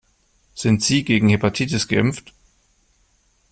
Sind Sie gegen Hepatitis geimpft?